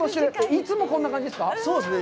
いつもこんな感じですか？